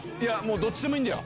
どっちでもいいんだよ。